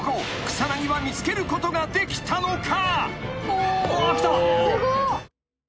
草薙は見つけることができたのか？］